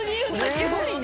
◆すごいね。